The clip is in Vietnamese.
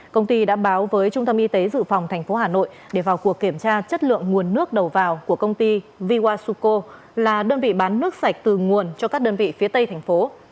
công ty đã báo với trung tâm y tế dự phòng thành phố hà nội để vào cuộc kiểm tra chất lượng nguồn nước đầu vào của công ty vywasuco là đơn vị bán nước sạch từ nguồn cho các đơn vị phía tây thành phố